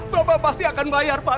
bapak pasti akan bayar pak